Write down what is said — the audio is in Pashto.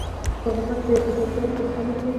په افغانستان کې د هرات د اړتیاوو لپاره اقدامات کېږي.